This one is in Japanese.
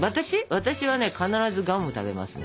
私はね必ずガムを食べますね。